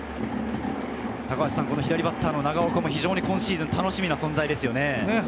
左バッターの長岡も非常に今シーズン楽しみな存在ですよね。